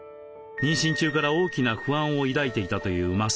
妊娠中から大きな不安を抱いていたという増さん。